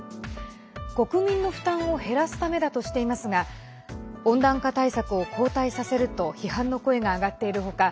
国民の負担を減らすためだとしていますが温暖化対策を後退させると批判の声があがっている他